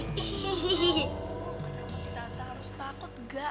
tante harus takut gak